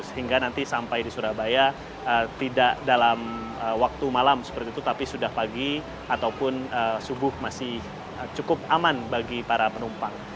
sehingga nanti sampai di surabaya tidak dalam waktu malam seperti itu tapi sudah pagi ataupun subuh masih cukup aman bagi para penumpang